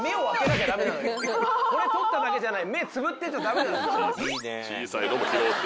これ取っただけじゃない。